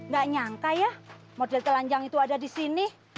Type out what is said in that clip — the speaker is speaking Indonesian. gak nyangka ya model telanjang itu ada di sini